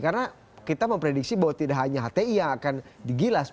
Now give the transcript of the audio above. karena kita memprediksi bahwa tidak hanya hti yang akan digilas